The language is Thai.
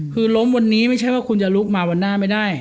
คือล้มวันนี้ไม่ใช่ว่าคุณจะลุกมาวันหน้าไม่ได้